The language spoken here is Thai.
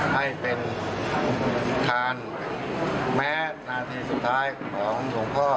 ให้เป็นทานแม้นาทีสุดท้ายของหลวงพ่อ